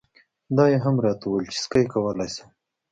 دا یې هم راته وویل چې سکی کولای شم.